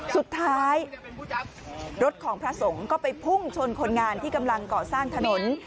สุดท้ายรถของพระสงฆ์ก็ไปพุ่งชนคนงานที่กำลังก่อสร้างถนน